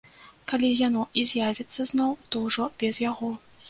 Калі яно і з'явіцца зноў, то ўжо без яго.